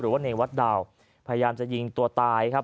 ว่าในวัดดาวพยายามจะยิงตัวตายครับ